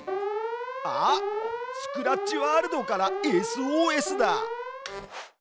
あっスクラッチワールドからＳＯＳだ！